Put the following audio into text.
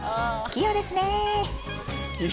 器用ですねえ。